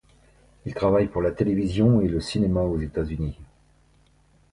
Il travaille pour la télévision et le cinéma, aux États-Unis.